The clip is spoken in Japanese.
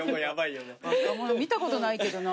若者見たことないけどな。